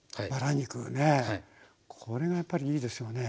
これがやっぱりいいですよね。